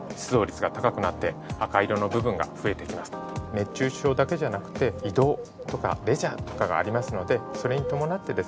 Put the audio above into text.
熱中症だけじゃなくて移動とかレジャーとかがありますのでそれに伴ってですね